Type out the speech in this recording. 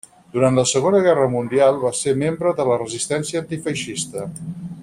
Durant la Segona Guerra Mundial va ser membre de la resistència antifeixista.